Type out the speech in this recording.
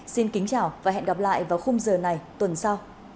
xin kính chào và hẹn gặp lại vào khung giờ này tuần sau